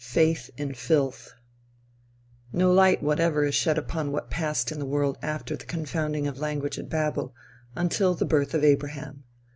FAITH IN FILTH No light whatever is shed upon what passed in the world after the confounding of language at Babel, until the birth of Abraham.